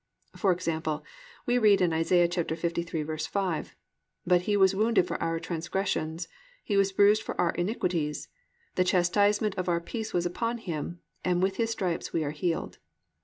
For example, we read in Isa. 53:5, +"But He was wounded for our transgressions, He was bruised for our iniquities; the chastisement of our peace was upon Him; and with His stripes we are healed."